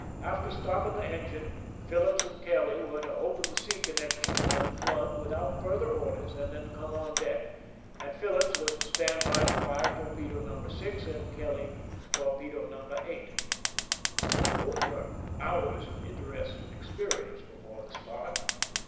After stopping the engine, Phillips and Kelly were to open the sea connections and flood without further orders and then come on deck, and Phillips was to stand by to fire torpedo No. 6, and Kelly torpedo No. 8. Those were hours of interesting experience before the start.